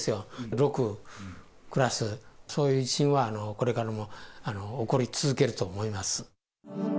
６クラス、そういう地震はこれからも起こり続けると思います。